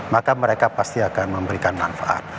maka mereka pasti akan memberikan manfaat